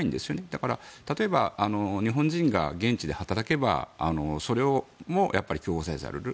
だから、例えば日本人が現地で働けばそれも強制される。